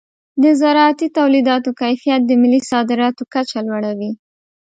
د زراعتي تولیداتو کیفیت د ملي صادراتو کچه لوړوي.